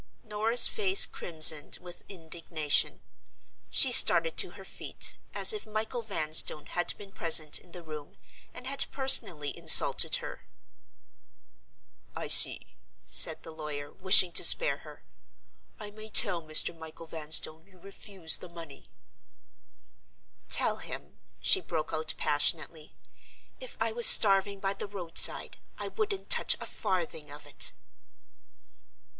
Norah's face crimsoned with indignation. She started to her feet, as if Michael Vanstone had been present in the room, and had personally insulted her. "I see," said the lawyer, wishing to spare her; "I may tell Mr. Michael Vanstone you refuse the money." "Tell him," she broke out passionately, "if I was starving by the roadside, I wouldn't touch a farthing of it!"